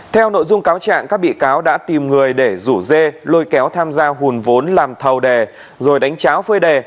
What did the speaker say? theo nội dung cáo trạng các bị cáo đã tìm người để rủ dê lôi kéo tham gia hùn vốn làm thầu đề rồi đánh cháo phơi đề